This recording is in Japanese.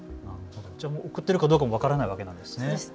送っているかどうかも分からないわけなんですね。